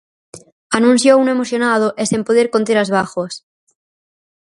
Anunciouno emocionado e sen poder conter as bágoas.